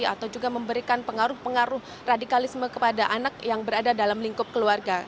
atau juga memberikan pengaruh pengaruh radikalisme kepada anak yang berada dalam lingkup keluarga